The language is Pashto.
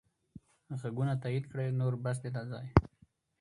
ږغونه تایید کړئ نور بس دی دا ځای.